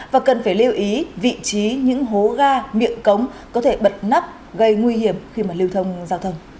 và cần phải lưu ý vị trí những hố ga miệng cống có thể bật nắp gây nguy hiểm khi mà lưu thông giao thông